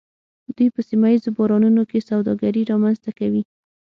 دوی په سیمه ایزو بازارونو کې سوداګري رامنځته کوي